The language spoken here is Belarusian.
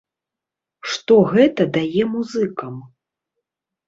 Што гэта дае музыкам?